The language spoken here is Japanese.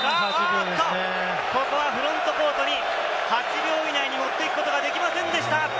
ここはフロントコートに８秒以内に持っていくことができませんでした。